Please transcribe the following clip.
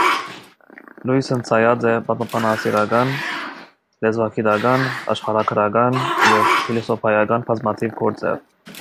Լոյս ընծայած է պատմաբանասիրական, լեզուագիտական, աշխարհագրական եւ փիլիսոփայական բազմաթիւ գործեր։